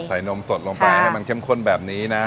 นมสดลงไปให้มันเข้มข้นแบบนี้นะ